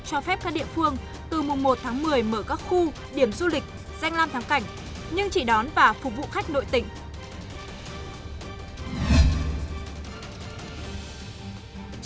cho phép các địa phương từ mùng một tháng một mươi mở các khu điểm du lịch danh lam thắng cảnh nhưng chỉ đón và phục vụ khách nội tỉnh